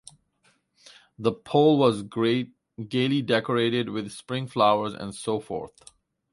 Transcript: The pole was gaily decorated with spring flowers and so forth.